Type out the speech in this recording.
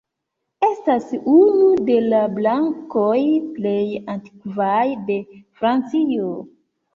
Estas unu de la bankoj plej antikvaj de Francio.